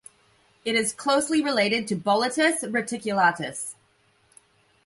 It is closely related to "Boletus reticulatus".